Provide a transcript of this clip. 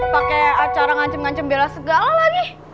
pake acara ngancem ngancem bela segala lagi